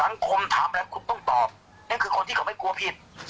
แม่ยังคงมั่นใจและก็มีความหวังในการทำงานของเจ้าหน้าที่ตำรวจค่ะ